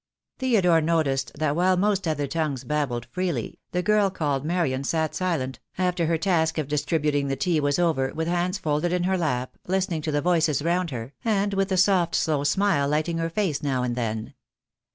Theodore noticed that while most other tongues babbled freely, the girl called Marian sat silent, after her task of distributing the tea was over, with hands folded in her lap, listening to the voices round her, and with a soft 278 THE DAY WILL COAIE. slow smile lighting her face now and then.